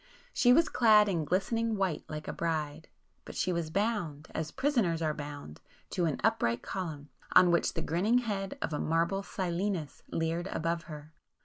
She was clad in glistening white like a bride,—but she was bound, as prisoners are bound, to an upright column, on which the grinning head of a marble Silenus leered above her.